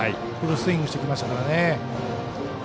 フルスイングしてきましたから。